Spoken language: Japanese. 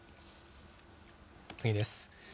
次です。